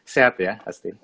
sehat ya pasti